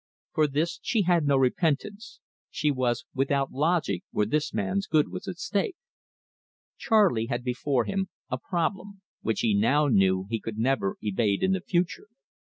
For this she had no repentance; she was without logic where this man's good was at stake. Charley had before him a problem, which he now knew he never could evade in the future.